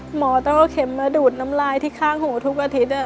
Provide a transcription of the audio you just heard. หมอต้องเอาเข็มมาดูดน้ำลายที่ข้างหูทุกอาทิตย์